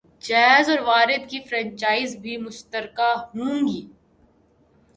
jazz اور وارد کی franchise بھی مشترکہ ہوں گی